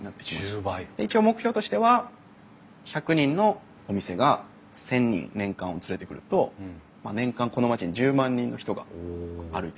一応目標としては１００人のお店が１，０００人年間連れてくると年間この町に１０万人の人が歩いていくと。